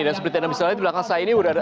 dan seperti yang bisa dibilang saya ini